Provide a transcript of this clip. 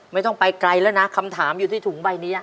ไม่ต้องไปไกลแล้วนะคำถามอยู่ที่ถุงใบนี้